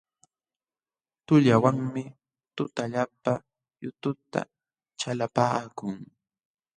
Tuqllawanmi tutallapa yututa chalapaakun.